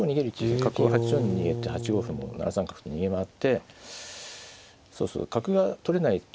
角を８四に逃げて８五歩も７三角と逃げ回ってそうそう角が取れないと